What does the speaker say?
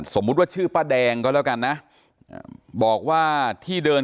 สมมติว่าชื่อป๊าแดงนะบอกว่าที่เดิน